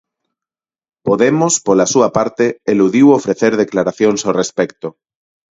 Podemos, pola súa parte, eludiu ofrecer declaracións ao respecto.